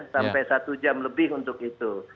sampai satu jam lebih untuk itu